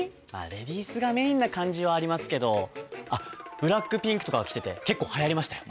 レディースがメインな感じはありますけどあっブラックピンクとかが着てて結構流行りましたよ。